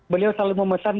beliau selalu memesan